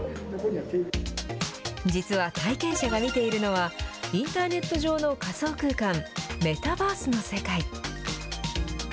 実は体験者が見ているのは、インターネット上の仮想空間、メタバースの世界。